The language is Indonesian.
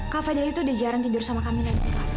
kak fadil itu udah jarang tidur sama camilla